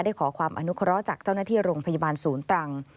ขอความอนุเคราะห์จากเจ้าหน้าที่โรงพยาบาลศูนย์ตรัง